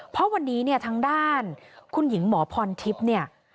เพราะวันนี้เนี่ยทางด้านคุณหญิงหมอพรทิพย์เนี่ย